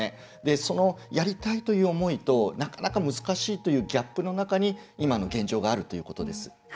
そのやりたいという思いとなかなか、難しいというギャップの中に今の現状があるということです。